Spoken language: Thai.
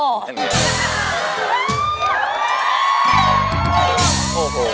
งั้นครับ